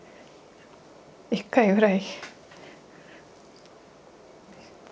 １回ぐらい。